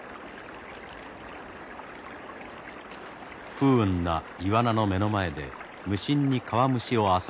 不運なイワナの目の前で無心にカワムシをあさるカワガラス。